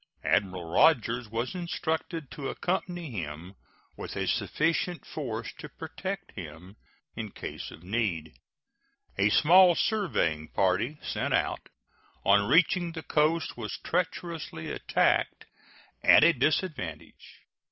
Admiral Rodgers was instructed to accompany him with a sufficient force to protect him in case of need. A small surveying party sent out, on reaching the coast was treacherously attacked at a disadvantage.